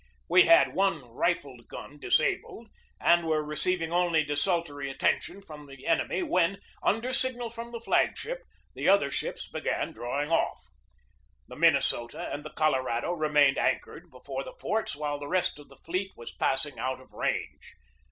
We had one rifled gun disabled, and were receiving only desultory attention from the THE BATTLE OF FORT FISHER 131 enemy when, under signal from the flag ship, the other ships began drawing off. The Minnesota and the Colorado remained an chored before the forts while the rest of the fleet was passing out of range.